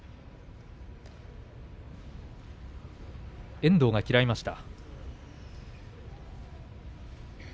遠藤が嫌いました。